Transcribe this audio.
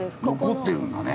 残ってるんだね。